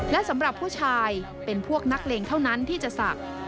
และสำหรับผู้ชายเป็นพวกนักเลงเท่านั้นที่จะศักดิ์